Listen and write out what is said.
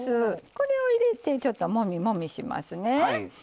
これを入れてちょっと、もみもみしますね。